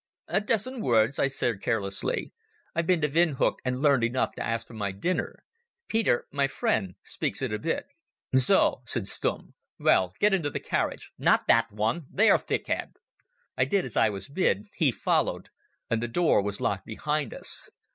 "A dozen words," I said carelessly. "I've been to Windhuk and learned enough to ask for my dinner. Peter—my friend—speaks it a bit." "So," said Stumm. "Well, get into the carriage. Not that one! There, thickhead!" I did as I was bid, he followed, and the door was locked behind us.